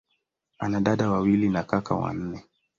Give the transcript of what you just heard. Ana dada wawili na kaka wanne.